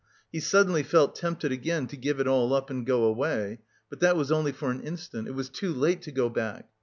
He suddenly felt tempted again to give it all up and go away. But that was only for an instant; it was too late to go back.